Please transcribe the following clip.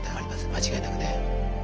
間違いなくね。